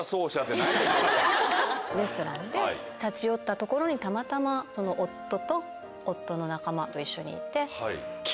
レストランで立ち寄った所にたまたま夫と夫の仲間と一緒にいて。